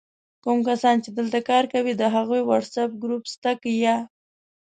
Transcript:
کوم کسان چې دلته کار کوي د هغوي وټس آپ ګروپ سته که یا؟!